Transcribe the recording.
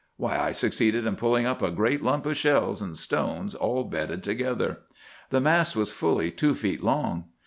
Why, I succeeded in pulling up a great lump of shells and stones all bedded together. The mass was fully two feet long.